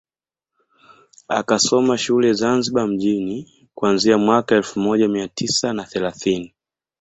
Akasoma shule Zanzibar mjini kuanzia mwaka elfu moja mia tisa na thelathini